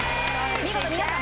見事皆さん